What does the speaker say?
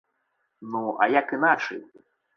Ну, а як іначай.